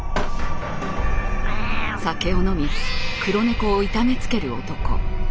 酒を飲み黒猫を痛めつける男。